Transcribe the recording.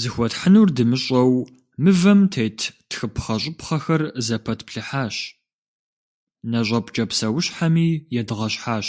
Зыхуэтхьынур дымыщӏэу мывэм тет тхыпхъэщӏыпхъэхэр зэпэтплъыхьащ, нэщӏэпкӏэ псэущхьэми едгъэщхьащ.